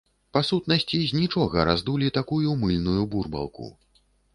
Па сутнасці з нічога раздулі такую мыльную бурбалку!